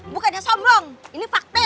bukannya sombong ini fakta